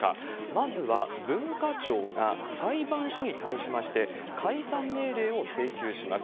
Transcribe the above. まずは、文化庁が裁判所に対しまして解散命令を請求します。